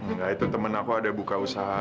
enggak itu temen aku ada buka usaha